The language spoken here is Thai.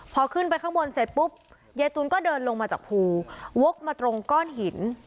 พอขึ้นไปข้างบนเสร็จปุ๊บยายตูนก็เดินลงมาจากภูวกมาตรงก้อนหิน